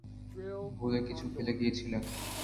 ভুলে কিছু ফেলে গিয়েছিলে?